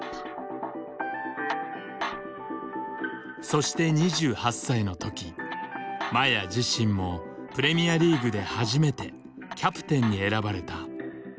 そして２８歳の時麻也自身もプレミアリーグで初めてキャプテンに選ばれた。